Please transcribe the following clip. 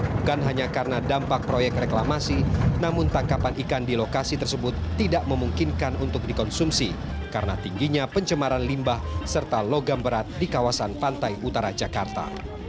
bukan hanya karena dampak proyek reklamasi namun tangkapan ikan di lokasi tersebut tidak memungkinkan untuk dikonsumsi karena tingginya pencemaran limbah serta logam berat di kawasan pantai utara jakarta